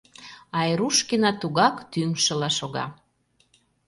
Айрушкина тугак тӱҥшыла шога.